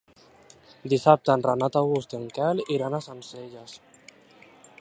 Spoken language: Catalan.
Dissabte en Renat August i en Quel iran a Sencelles.